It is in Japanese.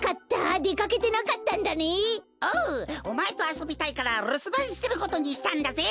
おまえとあそびたいからるすばんしてることにしたんだぜ！